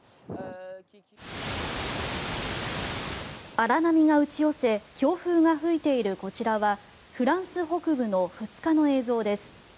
荒波が打ち寄せ強風が吹いているこちらはフランス北部の２日の映像です。